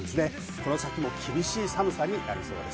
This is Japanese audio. この先も厳しい寒さになりそうです。